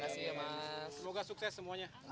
semoga sukses semuanya